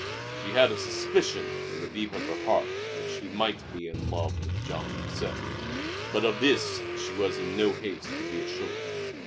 She had a suspicion in the deep of her heart that she might be in love with Jean himself; but of this she was in no haste to be assured.